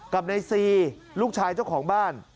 กับในซีลูกชายเจ้าของบ้าน